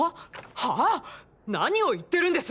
はァ⁉何を言ってるんです！